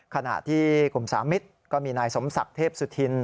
ขณะที่กลุ่มสามิตรก็มีนายสมศักดิ์เทพสุธิน